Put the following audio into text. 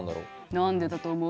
何でだと思う？